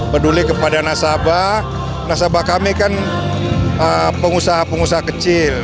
peduli kepada nasabah nasabah kami kan pengusaha pengusaha kecil